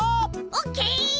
オッケー！